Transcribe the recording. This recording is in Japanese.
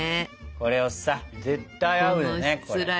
これをさ絶対合うよねこれ。